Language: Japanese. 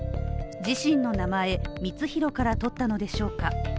自身の名前、光弘からとったのでしょうか。